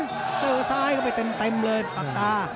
เจอซ้ายเข้าไปเต็มเลยปากตา